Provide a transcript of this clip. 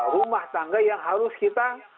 rumah tangga yang harus kita